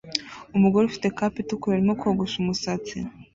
Umugore ufite cape itukura arimo kogosha umusatsi